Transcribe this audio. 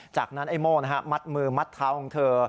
จากนั้นไอ้โม่มัดมือมัดเท้าของเธอ